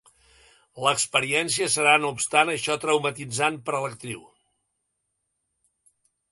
L'experiència serà no obstant això traumatitzant per a l'actriu.